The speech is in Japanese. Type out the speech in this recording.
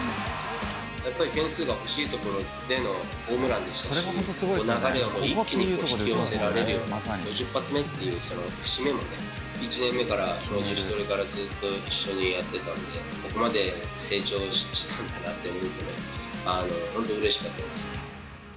やっぱり点数が欲しいところでのホームランでしたし、流れを一気に引き寄せられるような、５０発目っていう節目もね、１年目から自主トレからずっと一緒にやってたんで、ここまで成長したんだなって思うと、本当にうれしかったですね。